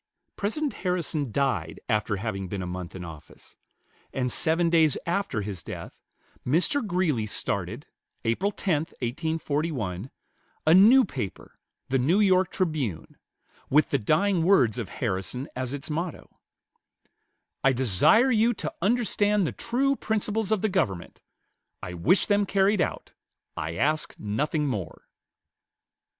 President Harrison died after having been a month in office; and seven days after his death, Mr. Greeley started, April 10, 1841, a new paper, the "New York Tribune," with the dying words of Harrison as its motto: "I desire you to understand the true principles of the government. I wish them carried out. I ask nothing more."